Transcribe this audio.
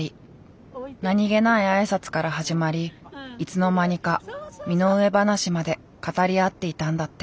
何気ない挨拶から始まりいつの間にか身の上話まで語り合っていたんだって。